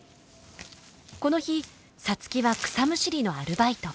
この日皐月は草むしりのアルバイト。